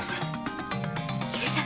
警察？